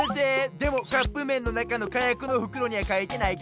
でもカップめんのなかのかやくのふくろにはかいてないけど？